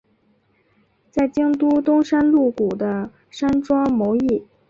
在京都东山鹿谷的山庄谋议。